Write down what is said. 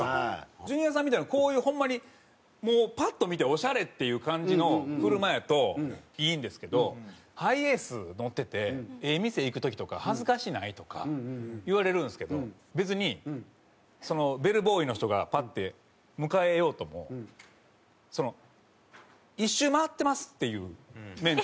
ジュニアさんみたいなこういうホンマにパッと見てオシャレっていう感じの車やといいんですけどハイエース乗ってて「ええ店行く時とか恥ずかしない？」とか言われるんですけど別にベルボーイの人がパッて迎えようともその１周回ってますっていうメンタルで。